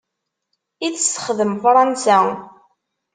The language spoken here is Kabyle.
I tessexdem Fransa.